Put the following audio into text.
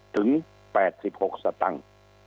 ถึง๘๖สตังค์